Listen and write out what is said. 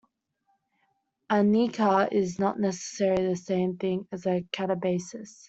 A "nekyia" is not necessarily the same thing as a "katabasis".